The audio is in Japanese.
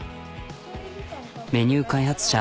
メニュー開発者